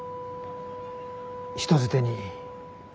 人づてに。